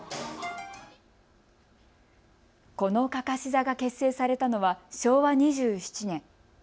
このかかし座が結成されたのは昭和２７年。